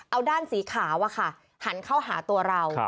เอาด้านสีขาวหันเข้าหาตัวเรา